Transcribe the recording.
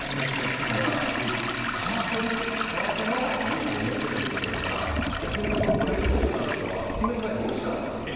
だから為替の利益でもうけている人にとったら、逆に言うと、これ度胸のある人は覆面介入おいしかったっていう。